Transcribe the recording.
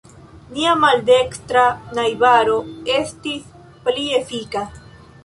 Nia maldekstra najbaro estis pli efika.